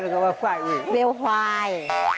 คำสัญญาอะไรกับวิวพาย